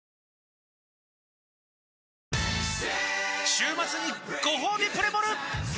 週末にごほうびプレモル！